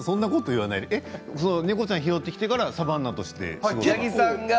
猫ちゃん拾ってきてからサバンナとして仕事が？